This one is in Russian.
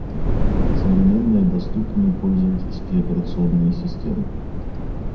Современные доступные пользовательские операционные системы